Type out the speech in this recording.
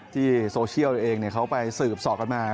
ที่โซเชียลตัวเองเขาไปสืบสอดกันมา